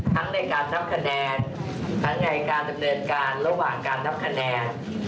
ในการนับคะแนนทั้งในการดำเนินการระหว่างการนับคะแนน